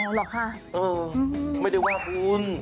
อ๋อเหรอค่ะไม่ได้ว่าคุณ